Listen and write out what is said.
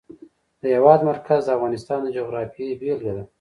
د هېواد مرکز د افغانستان د جغرافیې بېلګه ده.